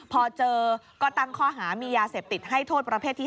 พอเจอก็ตั้งข้อหามียาเสพติดให้โทษประเภทที่๒